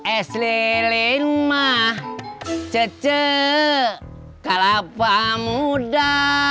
es lilin mah cece kalapa muda